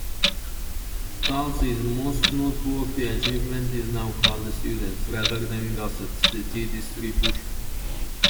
Thus his most noteworthy achievement is now called Student's, rather than Gosset's, t-distribution.